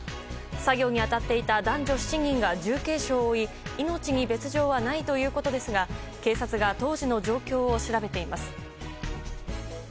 作業に当たっていた男女７人が重軽傷を負い命に別条はないということですが警察が当時の状況を調べています。